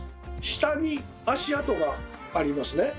下に足跡がありますね。